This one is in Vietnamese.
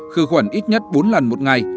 khử khuẩn ít nhất bốn lần một ngày